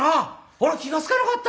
俺気が付かなかった。